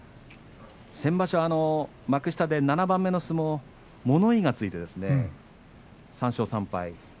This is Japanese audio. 先場所、幕下で７番目の相撲物言いがついて３勝３敗。